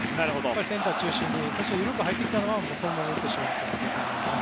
センター中心にゆるく入ってきたらそのまま打ってしまうと。